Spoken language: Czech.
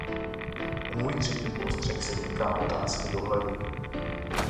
Můj třetí postřeh se týká otázky dohledu.